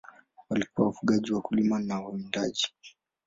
Walikuwa wafugaji, wakulima na wawindaji.